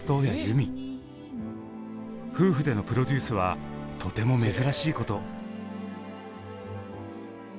夫婦でのプロデュースはとても珍しいこと。